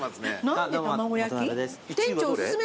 何で卵焼き？